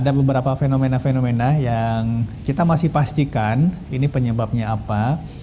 ada beberapa fenomena fenomena yang kita masih pastikan ini penyebabnya apa